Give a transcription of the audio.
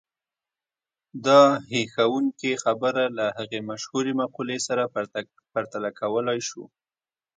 دا هيښوونکې خبره له هغې مشهورې مقولې سره پرتله کولای شو.